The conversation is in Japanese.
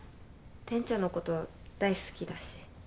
店長のこと大好きだし。